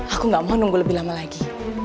aku gak mau nunggu lebih lama lagi